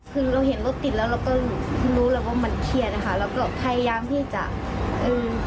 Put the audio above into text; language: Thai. คือเราเห็นรถติดแล้วเราก็รู้แล้วว่ามันเครียดนะคะเราก็พยายามที่จะเออ